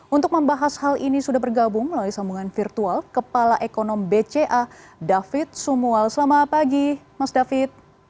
untuk membahas hal ini sudah bergabung melalui sambungan virtual kepala ekonom bca david sumual selamat pagi mas david